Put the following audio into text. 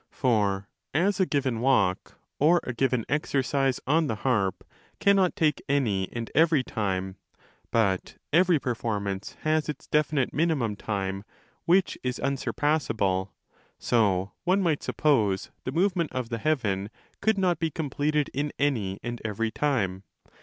For, as a given walk or a given exercise on the harp cannot take any and every time, but every performance has its definite minimum time which is unsurpassable, so, one might suppose, the movement of the heaven could not be 2805 completed in any and every time.